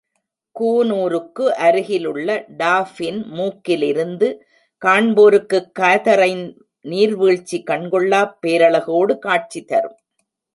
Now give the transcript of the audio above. கூனூருக்கு அருகிலுள்ள டாஃபின் மூக்கி லிருந்து காண்போர்க்குக் காதரைன் நீர்வீழ்ச்சி கண்கொள்ளாப் பேரழகோடு காட்சி தரும்.